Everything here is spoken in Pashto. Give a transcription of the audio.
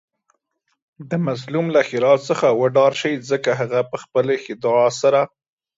د مظلوم له ښیرا څخه وډار شئ ځکه هغه په خپلې دعاء سره